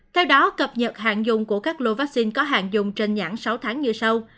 theo đó cập nhật hạn dùng của các lô vaccine có hạn dùng trên nhãn sáu tháng như sau